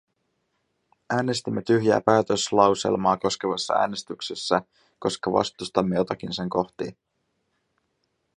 Äänestimme tyhjää päätöslauselmaa koskevassa äänestyksessä, koska vastustamme joitakin sen kohtia.